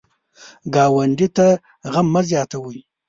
ګاونډي ته غم مه زیاتوئ